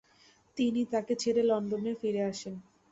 তিনি তাকে ছেড়ে লন্ডনে ফিরে আসেন।